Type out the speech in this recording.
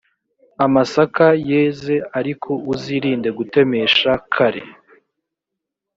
amasaka yeze ariko uzirinde gutemesha kare